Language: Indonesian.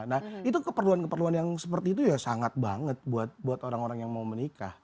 nah itu keperluan keperluan yang seperti itu ya sangat banget buat orang orang yang mau menikah